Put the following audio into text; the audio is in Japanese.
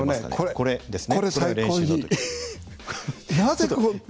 これですね。